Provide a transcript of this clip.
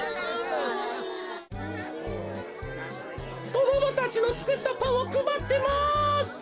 こどもたちのつくったパンをくばってます！